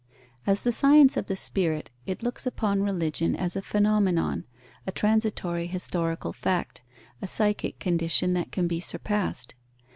As the science of the spirit, it looks upon religion as a phenomenon, a transitory historical fact, a psychic condition that can be surpassed.